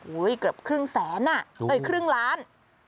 เกือบครึ่งแสนอ่ะเอ้ยครึ่งล้าน